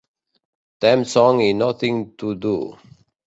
Theme Song i Nothin' to Do.